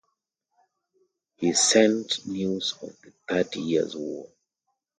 He sent news of the Thirty Years War.